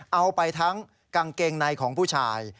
เอาไปทั้งกางเกงในของผู้ชาย